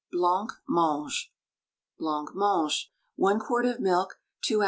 BLANCMANGES BLANCMANGE. 1 quart of milk, 2 oz.